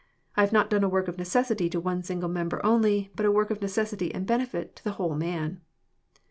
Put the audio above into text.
I have not done a work of_necessity to one single member only, but a work of necessity and benefit to the whole man."